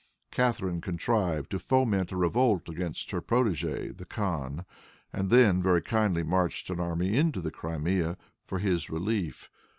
Catharine contrived to foment a revolt against her protegé the khan, and then, very kindly, marched an army into the Crimea for his relief.